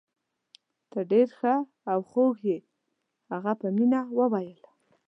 ته ډیر ښه او خوږ يې. هغه په مینه وویل.